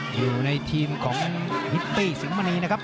อยู่ในทีมของพิตตี้สิงหมณีนะครับ